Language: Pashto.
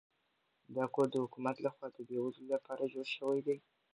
دا کور د حکومت لخوا د بې وزلو لپاره جوړ شوی دی.